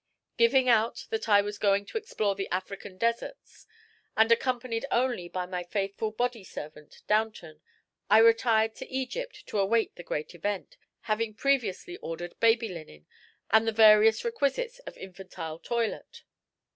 Giving out that I was going to explore the African deserts, and accompanied only by my faithful body servant, Downton, I retired to Egypt to await the great event, having previously ordered baby linen and the various requisites of infantile toilette.